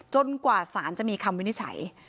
จนกว่าศาลจะมีคำวินิฉัย